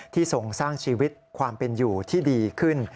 ทรงสร้างชีวิตความเป็นอยู่ที่ดีขึ้น